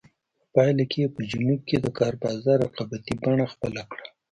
په پایله کې په جنوب کې د کار بازار رقابتي بڼه خپله کړه.